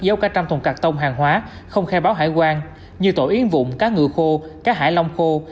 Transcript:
dấu cả trăm thùng cắt tông hàng hóa không khai báo hải quan như tổ yến vụng cá ngừ khô cá hải long khô